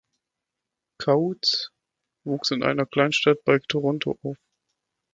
Coutts wuchs in einer Kleinstadt bei Toronto auf.